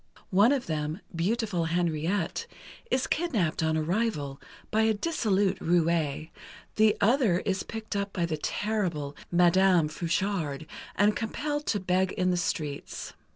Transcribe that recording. One of them, beautiful Henriette, is kidnapped on arrival, by a dissolute roué, the other is picked up by the terrible Madame Frouchard and compelled to beg in the streets.